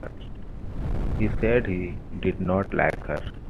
He said he did not like her.